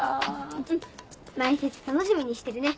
うん前説楽しみにしてるね。